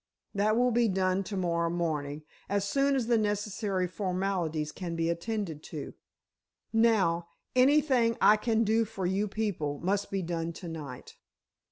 "That will be done to morrow morning—as soon as the necessary formalities can be attended to. Now, anything I can do for you people, must be done to night."